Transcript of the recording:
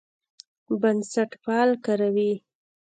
بنسټپال کاروي.